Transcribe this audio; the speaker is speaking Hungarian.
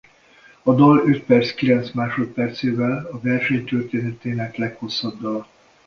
A dal öt perc kilenc másodpercével a verseny történetének leghosszabb dala.